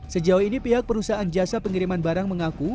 sejauh ini pihak perusahaan jasa pengiriman barang mengaku